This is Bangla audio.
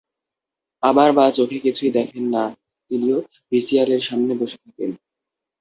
আমার মা চোখে কিছুই দেখেন না, তিনিও ভিসিআর-এর সামনে বসে থাকেন।